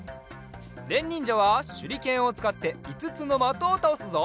れんにんじゃはしゅりけんをつかっていつつのまとをたおすぞ。